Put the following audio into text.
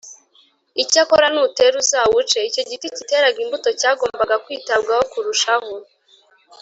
icyakora nutera uzawuce’ icyo giti kiteraga imbuto cyagombaga kwitabwaho kurushaho